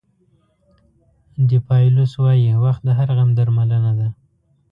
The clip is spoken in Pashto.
ډیپایلوس وایي وخت د هر غم درملنه ده.